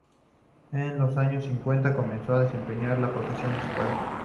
En los años cincuenta comenzó a desempeñar la profesión de su padre.